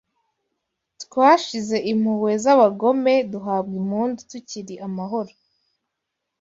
Twashize impuhwe z’abagome duhabwa impundu tukiri amahoro